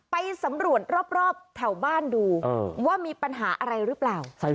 ไปสำรวจรอบแถวบ้านดูว่ามีปัญหาอะไรหรือเปล่า